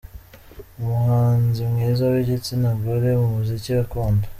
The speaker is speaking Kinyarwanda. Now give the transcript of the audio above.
Umuhanzi mwiza w’igitsina gore mu muziki gakondo.